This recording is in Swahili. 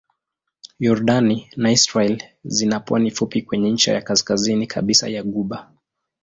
Yordani na Israel zina pwani fupi kwenye ncha ya kaskazini kabisa ya ghuba.